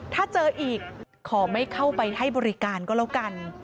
ถ้าเจออีกขอไม่เข้าไปให้บริการก็แล้วกัน